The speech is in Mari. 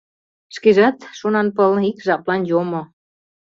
Шкежат, Шонанпыл, ик жаплан йомо.